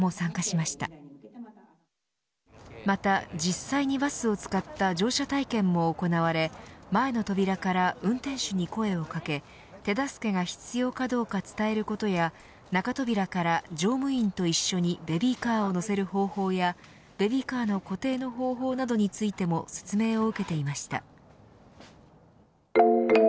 また実際にバスを使った乗車体験も行われ前の扉から運転手に声をかけ手助けが必要かどうか伝えることや中扉から乗務員と一緒にベビーカーを乗せる方法やベビーカーの固定の方法などについても説明を受けていました。